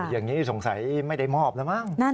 อย่างนี้สงสัยไม่ได้มอบแล้วมั้ง